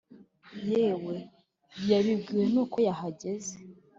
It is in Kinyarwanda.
Yawe yabibwiwe nuko bahageze